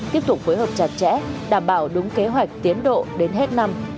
tiếp tục phối hợp chặt chẽ đảm bảo đúng kế hoạch tiến độ đến hết năm